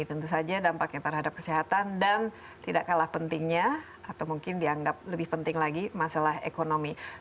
tentu saja dampaknya terhadap kesehatan dan tidak kalah pentingnya atau mungkin dianggap lebih penting lagi masalah ekonomi